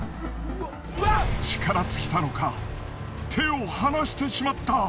力尽きたのか手を離してしまった！